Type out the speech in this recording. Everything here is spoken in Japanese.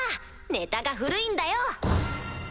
ネタが古いんだよ！